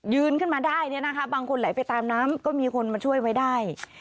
ยืนขึ้นมาได้บางคนไหลไปตามน้ำก็มีคนมาช่วยไว้ได้